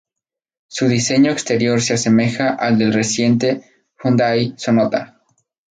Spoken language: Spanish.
Su diseño exterior se asemeja al del reciente Hyundai Sonata.